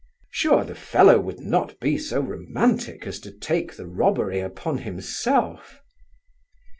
Sure, the fellow would not be so romantic as to take the robbery upon himself!